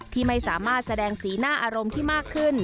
ที่ไม่สามารถแสดงสีหน้าอารมณ์ที่มากขึ้น